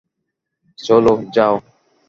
চলো - যাও।